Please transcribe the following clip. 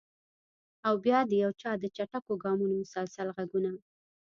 او بیا د یو چا د چټکو ګامونو مسلسل غږونه!